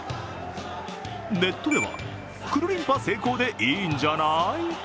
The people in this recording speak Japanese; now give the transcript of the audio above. ネットでは、くるりんぱ成功でいいんじゃない？